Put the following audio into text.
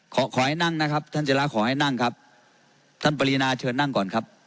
ขอให้นั่งนะครับท่านจิราขอให้นั่งครับท่านปรินาเชิญนั่งก่อนครับ